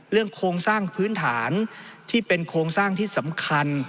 โครงสร้างพื้นฐานที่เป็นโครงสร้างที่สำคัญ